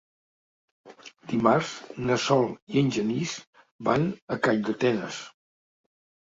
Dimarts na Sol i en Genís van a Calldetenes.